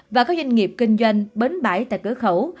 và các doanh nghiệp kinh doanh bến bãi tại cửa khẩu